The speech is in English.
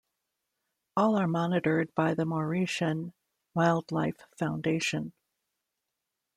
All are monitored by the Mauritian Wildlife Foundation.